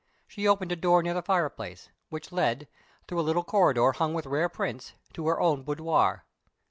She opened a door near the fireplace, which led, through a little corridor hung with rare prints, to her own boudoir.